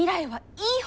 いい方。